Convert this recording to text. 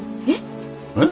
えっ！？